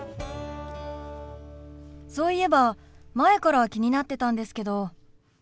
そういえば前から気になってたんですけど。